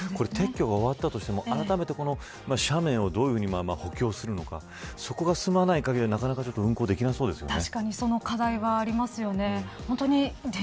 撤去が終わったとしてもあらためて斜面をどういうふうに補強するのかそこが進まない限り、なかなか運行できなそうですよね。